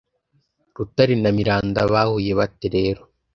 Rutare na Miranda bahuye bate rero